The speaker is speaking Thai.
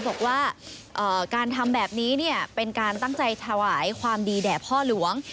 บอกว่าการทำแบบนี้เป็นการตั้งใจถวายความดีแด่พ่อหลวง